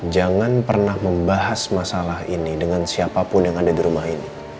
jangan pernah membahas masalah ini dengan siapapun yang ada di rumah ini